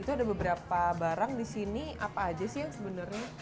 itu ada beberapa barang di sini apa aja sih yang sebenarnya